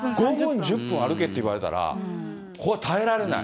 いや、これでね、５分、１０分歩けっていわれたら、これは耐えられない。